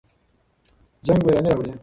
جنګ ویراني راوړي.